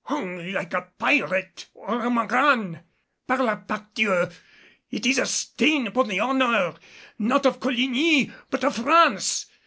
"Hung like a pirate or a Marane! Par la Pâque Dieu! It is a stain upon the honor not of Coligny but of France!